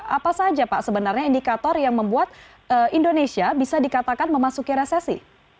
apa saja pak sebenarnya indikator yang membuat indonesia bisa dikatakan memasuki resesi